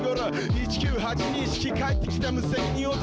「１９８２式帰ってきた無責任男」